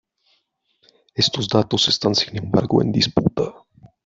Estos datos están sin embargo en disputa.